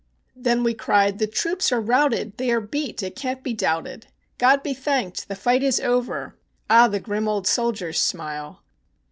Then we cried, "The troops are routed! they are beat it can't be doubted! God be thanked, the fight is over!" Ah! the grim old soldier's smile!